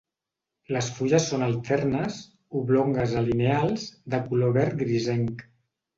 Les fulles són alternes, oblongues a lineals, de color verd grisenc.